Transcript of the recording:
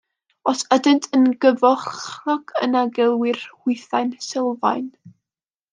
Os ydynt yn gyfochrog yna gelwir hwythau'n sylfaen.